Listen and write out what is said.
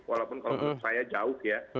walaupun kalau menurut saya jauh ya